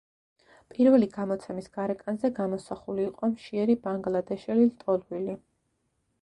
პირველი გამოცემის გარეკანზე გამოსახული იყო მშიერი ბანგლადეშელი ლტოლვილი.